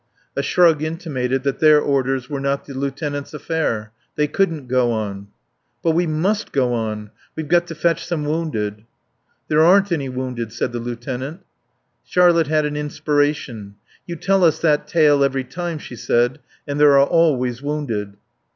A shrug intimated that their orders were not the lieutenant's affair. They couldn't go on. "But we must go on. We've got to fetch some wounded." "There aren't any wounded," said the lieutenant. Charlotte had an inspiration. "You tell us that tale every time," she said, "and there are always wounded."